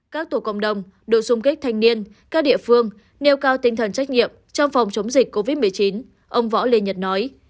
các tổ cộng đồng đội xung kích thanh niên các địa phương nêu cao tinh thần trách nhiệm trong phòng chống dịch covid một mươi chín ông võ lê nhật nói